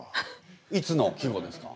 いつの季語ですか？